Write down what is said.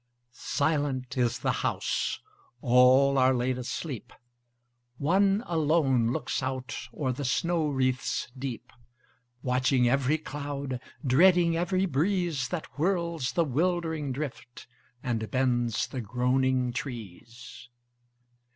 Silent is the house: all are laid asleep: One alone looks out o'er the snow wreaths deep, Watching every cloud, dreading every breeze That whirls the wildering drift, and bends the groaning trees.